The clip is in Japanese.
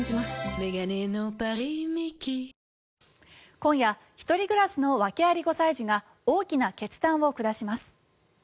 今夜１人暮らしの訳あり５歳児が大きな決断を下します。